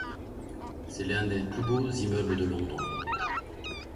C'est l'un des plus hauts immeubles de Londres.